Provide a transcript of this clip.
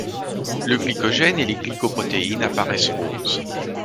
Le glycogène et les glycoprotéines apparaissent roses.